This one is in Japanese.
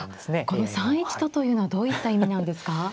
この３一とというのはどういった意味なんですか。